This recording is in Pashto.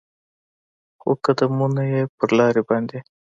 خو قدمونو یې پر لارې باندې